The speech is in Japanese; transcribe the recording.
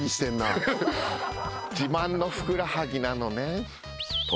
自慢のふくらはぎなのねん。